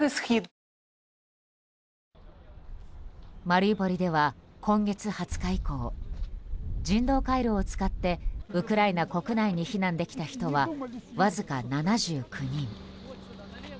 マリウポリでは今月２０日以降人道回廊を使ってウクライナ国内に避難できた人はわずか７９人。